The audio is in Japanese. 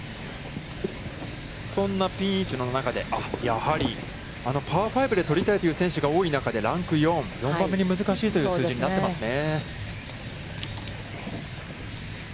そんなピン位置の中でやはり、あのパー５で取りたいという選手が多い中で、ランク４、４番目に難しいという数字になっていますね。